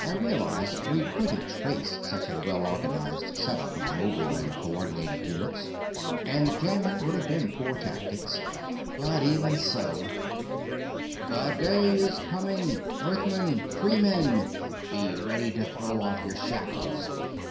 I realized we couldn't trace such a well organized setup of mobile and coordinated units, and jamming would have been poor tactics, but even so _The day is coming.... Earthmen, free men, be ready to throw off your shackles....